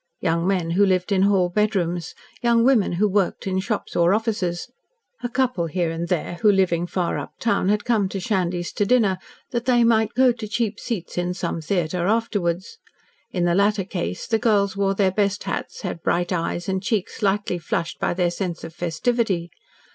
Young men who lived in hall bedrooms. Young women who worked in shops or offices, a couple here and there, who, living far uptown, had come to Shandy's to dinner, that they might go to cheap seats in some theatre afterwards. In the latter case, the girls wore their best hats, had bright eyes, and cheeks lightly flushed by their sense of festivity.